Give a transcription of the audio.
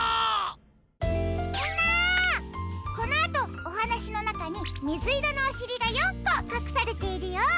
みんなこのあとおはなしのなかにみずいろのおしりが４こかくされているよ。